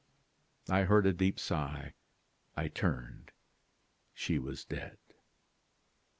"I heard a deep sigh. I turned; she was dead."